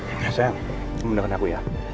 enggak sayang cuma dengerin aku ya